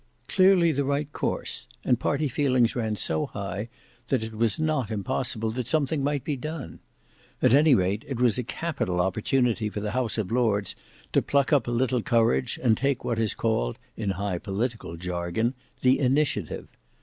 Clearly the right course, and party feeling ran so high, that it was not impossible that something might be done. At any rate, it was a capital opportunity for the House of Lords to pluck up a little courage and take what is called, in high political jargon, the initiative.